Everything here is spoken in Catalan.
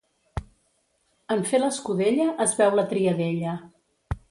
En fer l'escudella es veu la triadella.